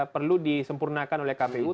perlu disempurnakan oleh kpu